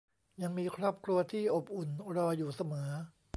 ยังมีครอบครัวที่อบอุ่นรออยู่เสมอ